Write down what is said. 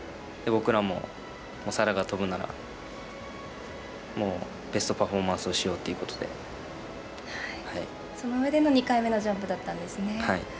僕らも沙羅が飛ぶなら、もうベストパフォーマンスをしようというその上での２回目のジャンプだったんですね。